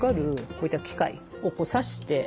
こういった機械を差して。